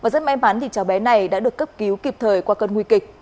rất may mắn cháu bé này đã được cấp cứu kịp thời qua cơn nguy kịch